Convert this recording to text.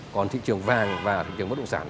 còn thị trường vàng và thị trường bất động sản